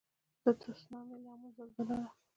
د تسونامي لامل زلزله ده.